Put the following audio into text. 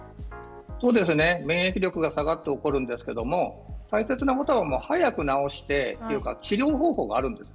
免疫力が下がって起こるんですが大切なことは、早く治してというか治療方法があるんですね。